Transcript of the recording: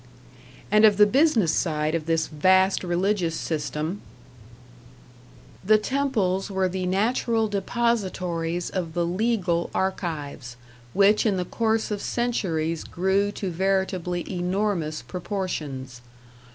And of the business side of this vast religious system: The temples were the natural depositories of the legal archives, which in the course of centuries grew to veritably enormous proportions.